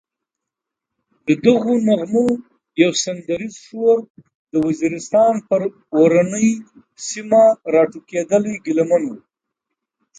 ددغو نغمو یو سندریز شور د وزیرستان پر اورنۍ سیمه راټوکېدلی ګیله من و.